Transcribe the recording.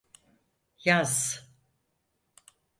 Yaz…